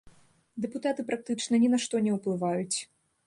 Дэпутаты практычна ні на што не ўплываюць.